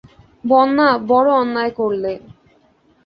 বন্যা, বড়ো অন্যায় করলে।